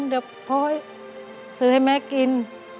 เดี๋ยวพ่อให้ซื้อให้แม่กิน